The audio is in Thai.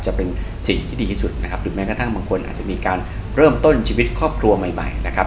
จะเป็นสิ่งที่ดีที่สุดนะครับหรือแม้กระทั่งบางคนอาจจะมีการเริ่มต้นชีวิตครอบครัวใหม่ใหม่นะครับ